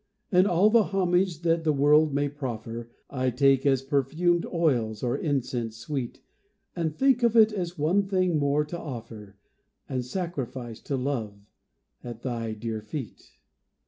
And all the homage that the world may proffer, I take as perfumed oils or incense sweet, And think of it as one thing more to offer, And sacrifice to Love, at thy dear feet.